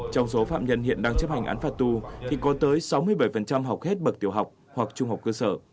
trong số phạm nhân hiện đang chấp hành án phạt tù thì có tới sáu mươi bảy học hết bậc tiểu học hoặc trung học cơ sở